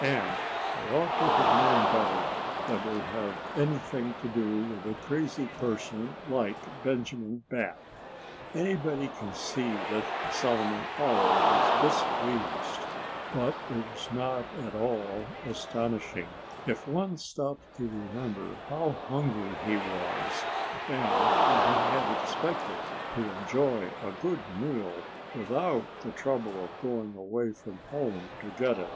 And I ought to have known better than to have anything to do with a crazy person like Benjamin Bat." Anybody can see that Solomon Owl was displeased. But it was not at all astonishing, if one stops to remember how hungry he was, and that he had expected to enjoy a good meal without the trouble of going away from home to get it.